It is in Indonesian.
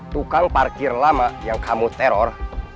tukang parkir lama yang kamu teror